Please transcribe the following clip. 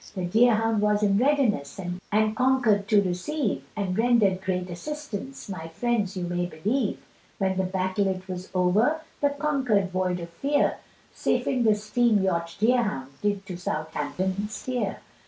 The Deerhound was in readiness, The conquered to receive; And rendered great assistance, My friends you may believe; When the battle it was over, The conquered, void of fear, Safe in the Steam Yacht Deerhound, Did to Southampton steer.